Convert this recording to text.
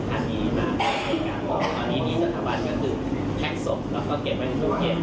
ตอนนี้ที่สถาบันก็คือแพ็คศพแล้วก็เก็บไว้ในภูเขียน